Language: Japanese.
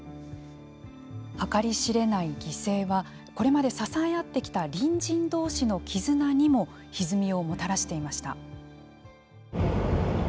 計り知れない犠牲はこれまで支え合ってきた隣人同士の絆にもひずみをもたらしていました。